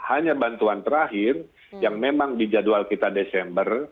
hanya bantuan terakhir yang memang di jadwal kita desember